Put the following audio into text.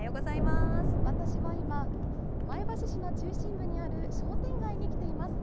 私は今、前橋市の中心部にある商店街に来ています。